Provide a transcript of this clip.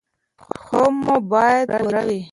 خوب مو باید پوره وي.